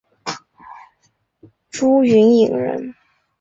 朱云影人。